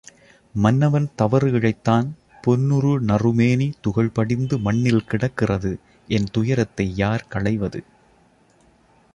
மன்னவன் தவறு இழைத்தான் பொன்னுறு நறுமேனி துகள் படிந்து மண்ணில் கிடக்கிறது என் துயரத்தை யார் களைவது?